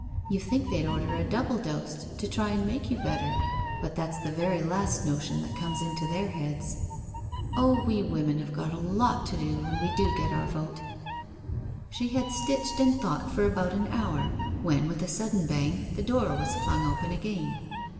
You'd think they'd order a double dose to try and make you better — but that's the very last notion that comes into their heads I •.. Oh, we women have got a lot to do when we do. get our vote.'* She had stitched and thought for about an hour when, with a sudd^en bang, the door was flung open again.